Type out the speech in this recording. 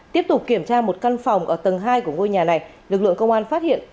tiếp tục kiểm tra một căn phòng ở tầng hai của ngôi nhà này lực lượng công an phát hiện